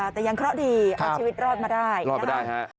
แต่ยังเคราะห์ดีเอาชีวิตรอดมาได้นะครับ